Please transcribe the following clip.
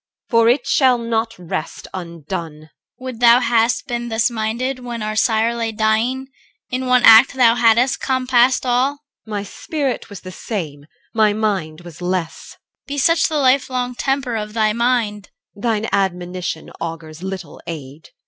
For it shall not rest undone. CHR. Would thou hadst been thus minded when our sire Lay dying! In one act thou hadst compassed all. EL. My spirit was the same: my mind was less. CHR. Be such the life long temper of thy mind! EL. Thine admonition augurs little aid.